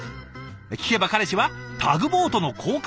聞けば彼氏はタグボートの航海士。